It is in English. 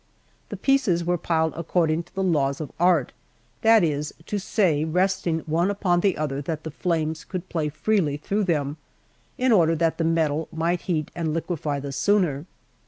The pieces were piled according to the laws of art, that is to say, so resting one upon the other that the flames could play freely through them, in order that the metal might heat and liquefy the sooner.